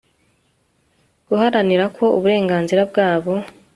guharanira ko uburenganzira bwabo